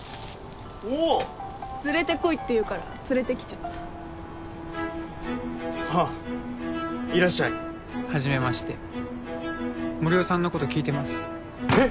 おおっ連れてこいって言うから連れてきちゃったああいらっしゃいはじめまして森生さんのこと聞いてますえっ！？